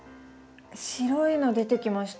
白いの出てきました。